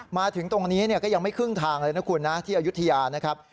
มาถึงตรงนี้ก็ยังไม่ครึ่งทางเลยนะคุณนะที่อายุทยานะครับ